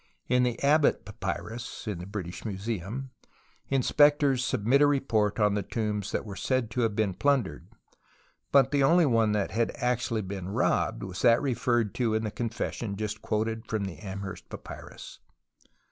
In the Abbott papyrus (in the British Museum) inspectors submit a report on tlie tombs that were said to have been plundered, but the only one that had actually been robbed was that referred to in the confession just quoted from the Amherst papyrus.